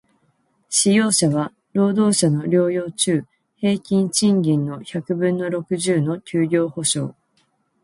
使用者は、労働者の療養中平均賃金の百分の六十の休業補償